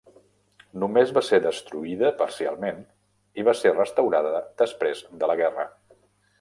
Només va ser destruïda parcialment i va ser restaurada després de la guerra.